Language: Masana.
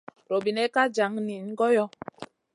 Robinena ka jan niyna goyo.